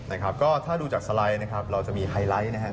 นะครับก็ถ้าดูจากสไลด์นะครับเราจะมีไฮไลท์นะครับ